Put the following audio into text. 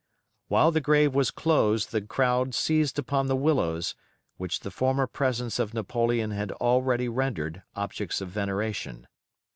While the grave was closed the crowd seized upon the willows, which the former presence of Napoleon had already rendered objects of veneration.